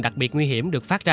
đặc biệt nguy hiểm được phát ra